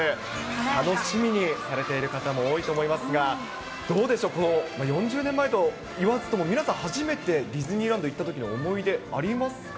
楽しみにされている方も多いと思いますが、どうでしょう、４０年前と言わずとも、皆さん、初めてディズニーランド行ったときの思い出、ありますか？